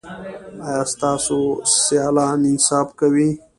ایا ستاسو سیالان انصاف کوي؟